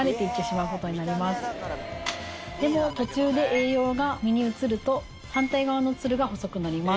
でも途中で栄養が実に移ると反対側のツルが細くなります。